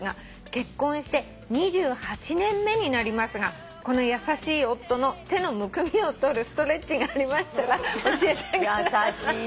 結婚して２８年目になりますがこの優しい夫の手のむくみを取るストレッチがありましたら教えてください」